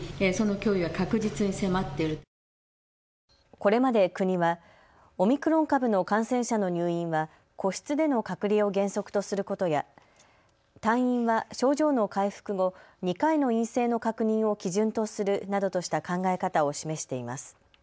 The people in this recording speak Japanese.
これまで国はオミクロン株の感染者の入院は個室での隔離を原則とすることや退院は症状の回復後、２回の陰性の確認を基準とするなどとした考え方を示しています。